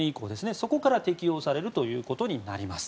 そこから適用されるということになります。